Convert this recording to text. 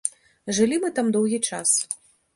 Жылі мы там доўгі час.